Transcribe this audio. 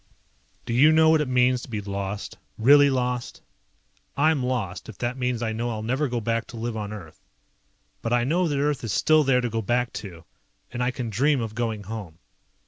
Do you know what it means to be lost? Really lost? I'm lost, if that means I know I'll never go back to live on Earth. But I know that Earth is still there to go back to, and I can dream of going home.